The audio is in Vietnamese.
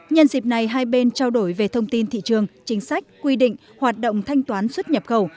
nhân dịp này hai bên trao đổi về thông tin thị trường chính sách quy định hoạt động thanh toán xuất nhập khẩu